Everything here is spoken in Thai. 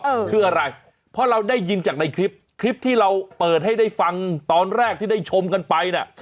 เออคืออะไรเพราะเราได้ยินจากในคลิปคลิปที่เราเปิดให้ได้ฟังตอนแรกที่ได้ชมกันไปน่ะ